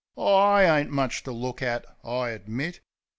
Oh, I ain't much to look at, I admit.